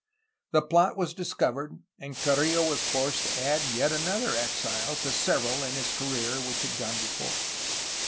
The plot was discovered, and Carrillo was forced to add yet another exile to several in his career which had gone before.